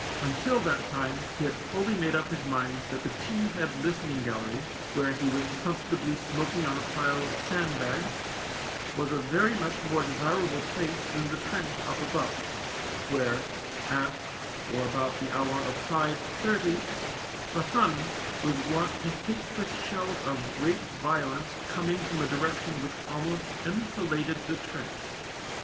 Until that time he had fully made up his mind that the T head listening gallery, where he was comfortably smoking on a pile of sandbags, was a very much more desirable place than the trench up above, where, at or about the hour of five thirty, the Hun was wont to hate with shells of great violence coming from a direction which almost enfiladed the trench.